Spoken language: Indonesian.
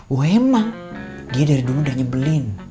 wah emang dia dari dulu udah nyebelin